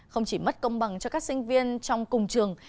không chỉ mất công bằng cho các sinh viên trong cùng trường